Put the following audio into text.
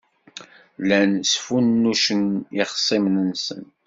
Llan sfunnucen ixṣimen-nsen.